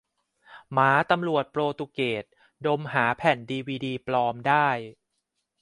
หมาตำรวจโปรตุเกส ดมหาแผ่นดีวีดีปลอมได้ !